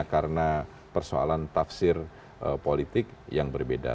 karena persoalan tafsir politik yang berbeda